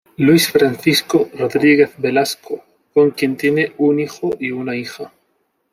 Luis Francisco Rodríguez Velasco, con quien tiene un hijo y una hija.